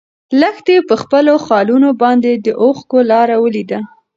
لښتې په خپلو خالونو باندې د اوښکو لاره ولیده.